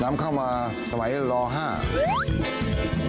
นำเข้ามาเข้ามาสมัยคลิว๑๗๒๕๒๑๒๓